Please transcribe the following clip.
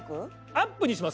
アップにします。